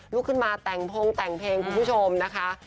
ลุกขึ้นมาแต่งพงแต่งเพลงคุณผู้ชมนะคะ